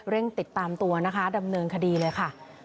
เร่งติดตามตัวดำเนินคดีเลยค่ะ